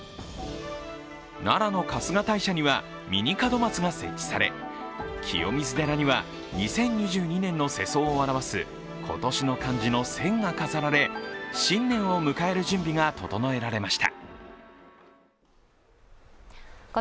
奈良の春日大社にはミニ門松が設置され清水寺には２０２２年の世相を表す今年の漢字の「戦」が飾られ新年を迎える準備が整えられました。